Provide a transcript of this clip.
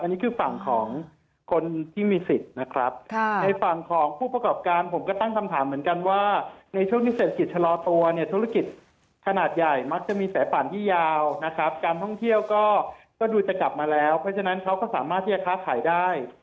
อันนี้คือฝั่งของคนที่มีสิทธิ์นะครับในฝั่งของผู้ประกอบการผมก็ตั้งคำถามเหมือนกันว่าในช่วงที่เศรษฐกิจชะลอตัวเนี่ยธุรกิจขนาดใหญ่มักจะมีสายป่านที่ยาวนะครับการท่องเที่ยวก็ดูจะกลับมาแล้วเพราะฉะนั้นเขาก็สามารถที่จะค้าขายได้